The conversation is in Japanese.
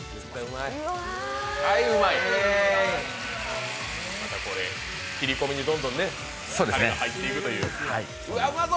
うまい、また切り込みにどんどんうまみが入っていくというね。